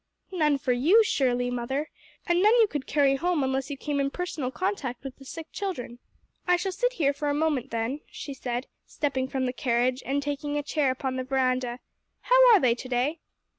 "None for you, surely, mother, and none you could carry home unless you came in personal contact with the sick children." "I shall sit here for a moment, then," she said, stepping from the carriage and taking a chair upon the veranda. "How are they to day?"